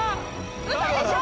ウソでしょ？